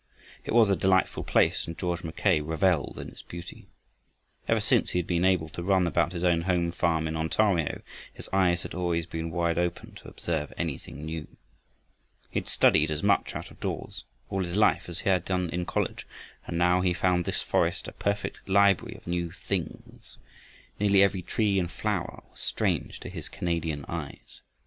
It was a delightful place and George Mackay reveled in its beauty. Ever since he had been able to run about his own home farm in Ontario his eyes had always been wide open to observe anything new. He had studied as much out of doors, all his life, as he had done in college, and now he found this forest a perfect library of new Things. Nearly every tree and flower was strange to his Canadian eyes.